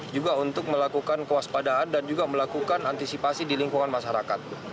juga untuk melakukan kewaspadaan dan juga melakukan antisipasi di lingkungan masyarakat